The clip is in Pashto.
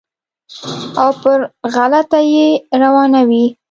او پر غلطه یې روانوي.